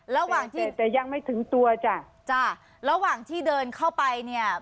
ระหว่างที่แต่ยังไม่ถึงตัวจ้ะจ้ะระหว่างที่เดินเข้าไปเนี่ย